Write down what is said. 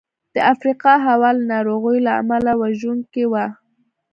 د افریقا هوا له ناروغیو له امله وژونکې وه.